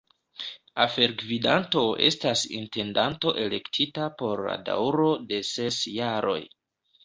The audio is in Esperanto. Afergvidanto estas intendanto elektita por la daŭro de ses jaroj.